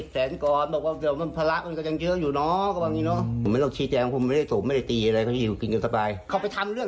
แต่ตอบว่าอะไรเดี๋ยวไปฟัง